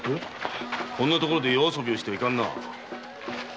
こんな所で夜遊びをしてはいかんな。